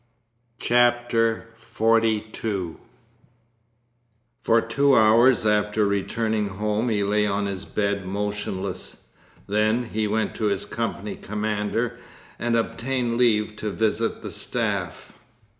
Chapter XLII For two hours after returning home he lay on his bed motionless. Then he went to his company commander and obtained leave to visit the staff.